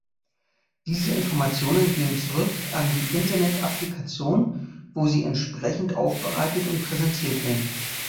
Diese Informationen gehen zurück an die Internet-Applikation, wo sie entsprechend aufbereitet und präsentiert werden.